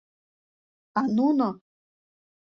А нуно!..